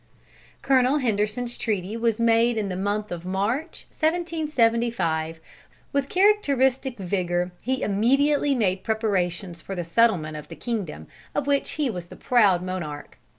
Colonel Henderson's treaty was made in the month of March, 1775. With characteristic vigor, he immediately made preparations for the settlement of the kingdom of which he was the proud monarch.